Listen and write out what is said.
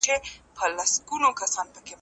د ژبې سمينارونه جوړ کړئ.